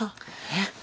えっ？